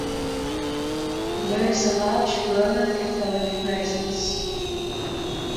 There is a large Roman Catholic presence.